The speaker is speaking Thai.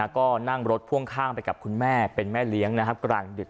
ก็นั่งรถพ่วงข้างไปกับคุณแม่เป็นแม่เลี้ยงนะครับกลางดึก